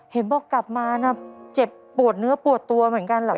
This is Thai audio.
เห็นบอกกลับมานะเจ็บปวดเนื้อปวดตัวเหมือนกันเหรอ